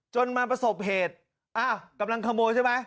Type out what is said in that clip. มาประสบเหตุอ้าวกำลังขโมยใช่ไหม